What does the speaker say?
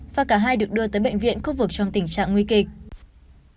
và cả hai được đưa tới bệnh viện khu vực trong tình trạng nguy kịch